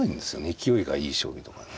勢いがいい将棋とかね。